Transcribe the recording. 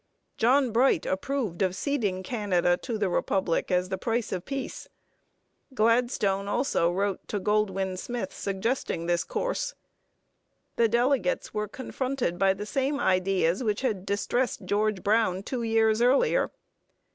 John Bright approved of ceding Canada to the Republic as the price of peace. Gladstone also wrote to Goldwin Smith suggesting this course. The delegates were confronted by the same ideas which had distressed George Brown two years earlier.